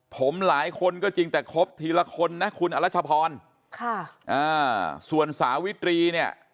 ผมหลายคนก็จริงแต่ครบทีละคนนะคุณอรัชพรค่ะอ่าส่วนสาวิตรีเนี่ย